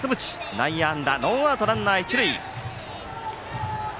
内野安打、ノーアウトランナー、一塁。